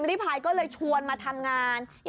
ไม่ครับแม่